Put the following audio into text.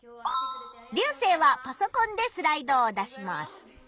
リュウセイはパソコンでスライドを出します。